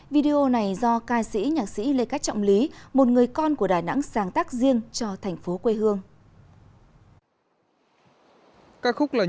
video này do ca sĩ nhạc sĩ lê cát trọng lý một người con của đà nẵng sáng tác riêng cho thành phố quê hương